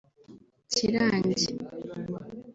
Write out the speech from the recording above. Kirangi